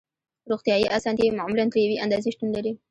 روغتیایی اسانتیاوې معمولاً تر یوې اندازې شتون لري